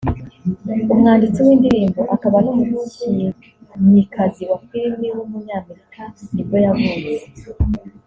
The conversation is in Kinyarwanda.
umwanditsi w’indirimbo akaba n’umukinnyikazi wa film w’umunyamerika nibwo yavutse